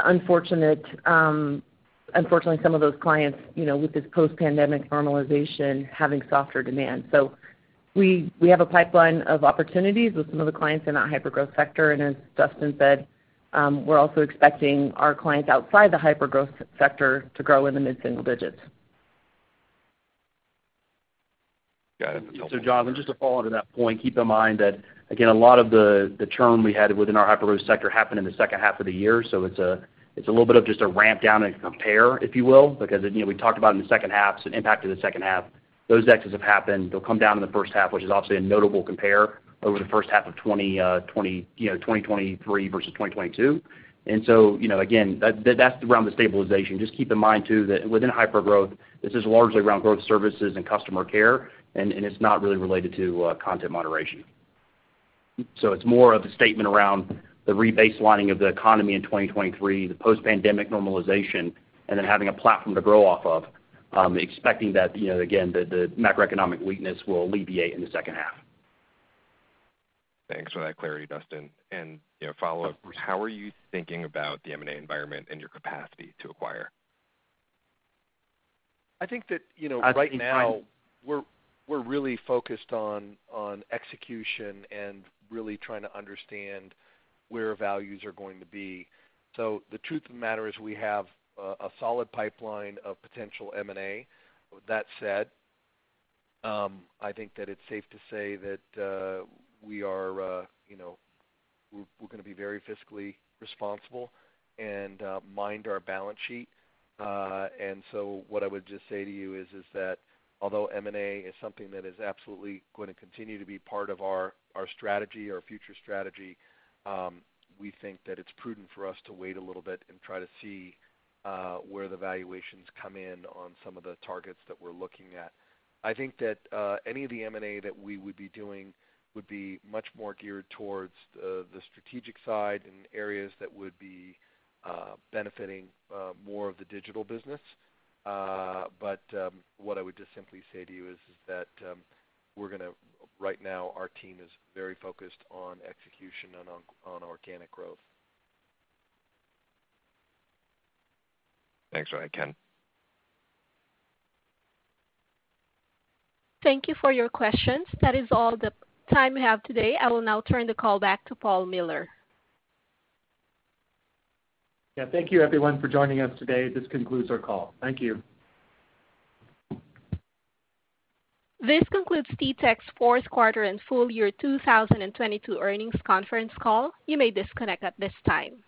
unfortunate, unfortunately, some of those clients, you know, with this post-pandemic normalization having softer demand. We have a pipeline of opportunities with some of the clients in that hypergrowth sector. As Dustin said, we're also expecting our clients outside the hypergrowth sector to grow in the mid-single digits. Got it. Jonathan, just to follow on to that point, keep in mind that again, a lot of the churn we had within our hypergrowth sector happened in the second half of the year. It's a little bit of just a ramp down and compare, if you will, because, you know, we talked about in the second half, so the impact of the second half, those exits have happened. They'll come down in the first half, which is obviously a notable compare over the first half of 2023 versus 2022. You know, again, that's around the stabilization. Just keep in mind too that within hypergrowth, this is largely around growth services and customer care, and it's not really related to content moderation. It's more of a statement around the rebaselining of the economy in 2023, the post-pandemic normalization, and then having a platform to grow off of, expecting that, you know, again, the macroeconomic weakness will alleviate in the second half. Thanks for that clarity, Dustin. You know, follow-up, how are you thinking about the M&A environment and your capacity to acquire? I think that, you know, right now we're really focused on execution and really trying to understand where values are going to be. The truth of the matter is we have a solid pipeline of potential M&A. That said, I think that it's safe to say that we are, you know, we're gonna be very fiscally responsible and mind our balance sheet. What I would just say to you is that although M&A is something that is absolutely gonna continue to be part of our strategy, our future strategy, we think that it's prudent for us to wait a little bit and try to see where the valuations come in on some of the targets that we're looking at. I think that any of the M&A that we would be doing would be much more geared towards the strategic side and areas that would be benefiting more of the digital business. What I would just simply say to you is that right now our team is very focused on execution and on organic growth. Thanks for that, Ken. Thank you for your questions. That is all the time we have today. I will now turn the call back to Paul Miller. Thank you everyone for joining us today. This concludes our call. Thank you. This concludes TTEC fourth quarter and full-year 2022 earnings conference call. You may disconnect at this time.